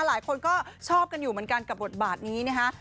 หลายคนก็ชอบกันอยู่เหมือนกันกับบทบาทนี้นะคะ